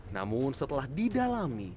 namun setelah didalami